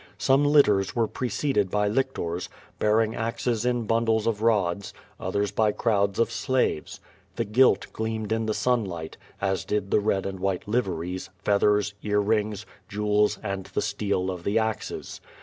Some litters were preceded by lictors, bearing axes in bundles of rods; otihers by crowds of slaves. The gilt gleamed in the sunlighl, as did the red and white liveries, feathers, ear rings, jewels, and the steel of the axes.